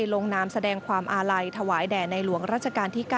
ลงนามแสดงความอาลัยถวายแด่ในหลวงราชการที่๙